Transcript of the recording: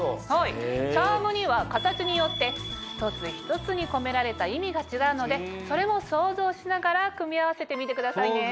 チャームには形によって一つ一つに込められた意味が違うのでそれも想像しながら組み合わせてみてくださいね。